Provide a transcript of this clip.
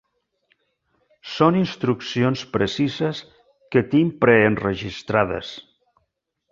Són instruccions precises que tinc preenregistrades.